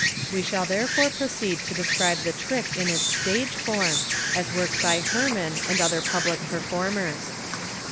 We shall therefore proceed to describe the trick in its stage form, as worked by Herrmann and other public performers.